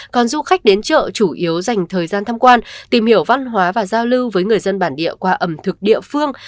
còn du khách đến chợ chủ yếu dành thời gian thăm quan tìm hiểu văn hóa và giao lưu với người dân bản địa qua ẩm thực địa phương